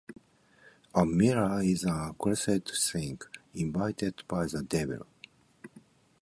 A mirror is an accursed thing, invented by the devil.